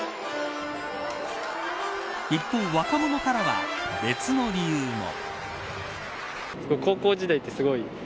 一方、若者からは別の理由も。